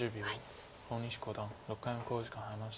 大西五段６回目の考慮時間に入りました。